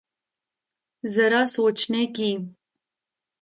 ذرا سوچنے کی۔